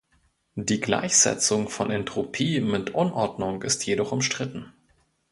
Die Gleichsetzung von Entropie mit Unordnung ist jedoch umstritten.